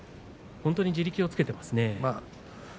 本当に地力をつけていますね。